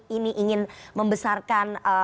ini ingin membesarkan